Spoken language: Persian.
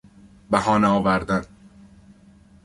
بهانه آوردن